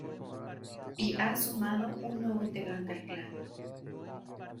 Y ha sumado un nuevo integrante al clan.